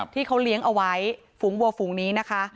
ที่เขาเลี้ยงเอาไว้ฝูงวัวฝูงนี้นะคะ